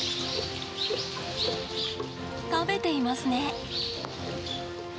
食べていますね。